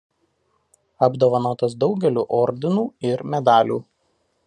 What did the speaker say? Apdovanotas daugeliu ordinų ir medalių.